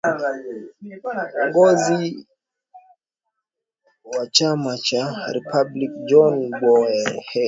ngozi wa chama cha republican john bowen hay